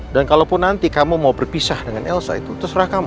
dan kalaupun nanti kamu mau berpisah dengan elsa itu terserah kamu